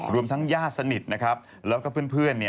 รวมทั้งยาดสนิทและเพื่อน